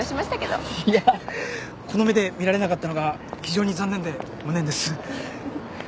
いやこの目で見られなかったのが非常に残念で無念です。